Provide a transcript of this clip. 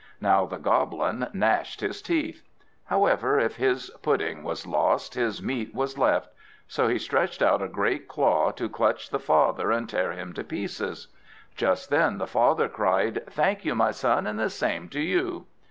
How the Goblin gnashed his teeth! However, if his pudding was lost, his meat was left; so he stretched out a great claw to clutch the father and tear him to pieces. Just then the father cried, "Thank you, my son, and the same to you!"